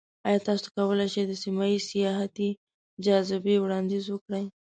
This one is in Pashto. ایا تاسو کولی شئ د سیمه ایزو سیاحتي جاذبې وړاندیز وکړئ؟